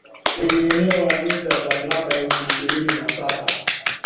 wenye eneo la mita za mraba elfu ishirini na saba